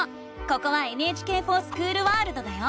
ここは「ＮＨＫｆｏｒＳｃｈｏｏｌワールド」だよ！